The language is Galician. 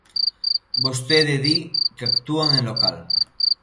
Vostede di que actúan en local.